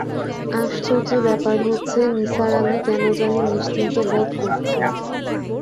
আশ্চর্য ব্যাপার হচ্ছে, নিসার আলি কেন জানি নিশ্চিন্ত বোধ করছেন।